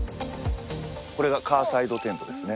これがカーサイドテントですね。